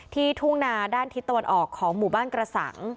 ทุ่งนาด้านทิศตะวันออกของหมู่บ้านกระสัง